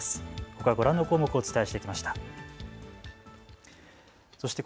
ほかご覧の項目をお伝えしてきました。